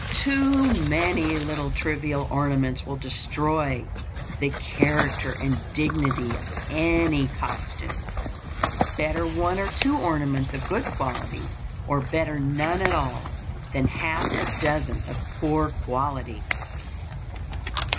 Too many little trivial ornaments will destroy the character and dignity of any costume. Better one or two ornaments of good quality, or better none at all, than half a dozen of poor quality.